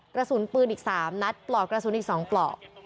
กระสุนปืนอีก๓นัดปลอกกระสุนอีก๒ปลอก